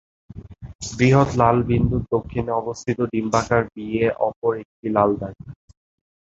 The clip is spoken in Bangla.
বৃহৎ লাল বিন্দুর দক্ষিণে অবস্থিত ডিম্বাকার বিএ অপর একটি লাল দাগ।